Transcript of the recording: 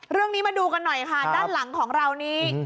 เรื่องนี้มาดูกันหน่อยค่ะด้านหลังของเรานี้